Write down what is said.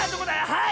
⁉はい！